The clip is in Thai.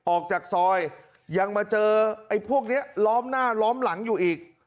ออกจากซอยยังมาเจอไอ้พวกนี้ล้อมหน้าล้อมหลังอยู่อีก